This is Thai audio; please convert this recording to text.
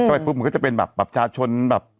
มันก็จะเป็นแบบปรับประชาชนแบบ